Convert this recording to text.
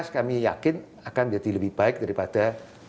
dua ribu delapan belas kami yakin akan menjadi lebih baik daripada dua ribu tujuh belas